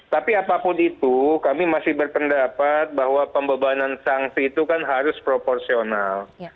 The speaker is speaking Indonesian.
tapi apapun itu kami masih berpendapat bahwa pembebanan sanksi itu kan harus proporsional